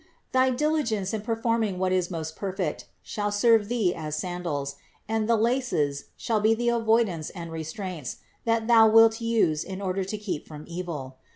Thy diligence in performing what is most perfect shall serve thee as sandals, and they laces shall be the avoidance and restraints, that thou wilt use in order to keep from evil.